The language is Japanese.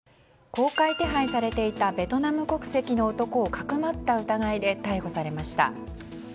公開手配されていたベトナム国籍の男をかくまった疑いで逮捕されました。